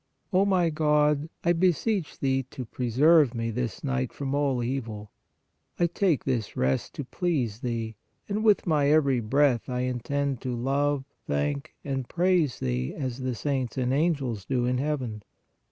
O my God, I beseech Thee to preserve me this night from all evil. I take this rest to please Thee, and with my every breath I intend to love, thank and praise Thee as the saints and angels do in heaven.